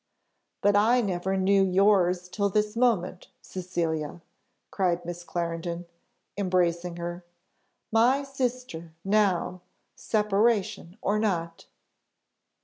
"But I never knew yours till this moment, Cecilia," cried Miss Clarendon, embracing her; "my sister, now, separation or not."